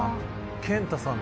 「健太さんだ」